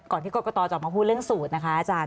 ก่อนที่กรกฎาจะมาพูดเรื่องสูตรนะคะอาจารย์